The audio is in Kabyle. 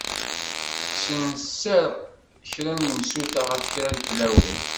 Kksen sser kra n yemsulta ɣef kra n tlawin.